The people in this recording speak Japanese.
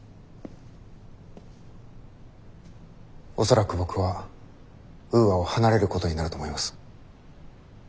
恐らく僕はウーアを離れることになると思います。